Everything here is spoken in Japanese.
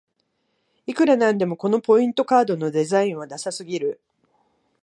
いくらなんでもこのポイントカードのデザインはダサすぎる